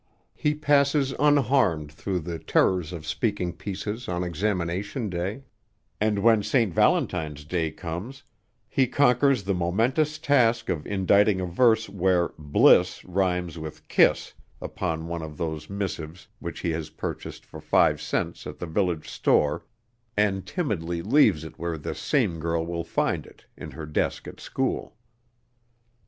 He passes unharmed through the terrors of speaking pieces on examination day, and when St. Valentine's day comes he conquers the momentous task of inditing a verse where "bliss" rhymes with "kiss" upon one of those missives which he has purchased for five cents at the village store, and timidly leaves it where this same girl will find it, in her desk at school.